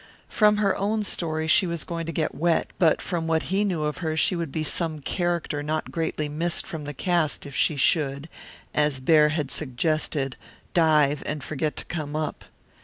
From her own story she was going to get wet, but from what he knew of her she would be some character not greatly missed from the cast if she should, as Baird had suggested, dive and forget to come up.